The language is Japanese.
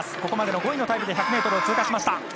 ここまでの５位のタイムで１００ｍを通過しました。